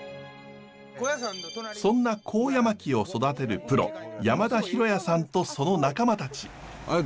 そんな高野槙を育てるプロ山田裕哉さんとその仲間たち。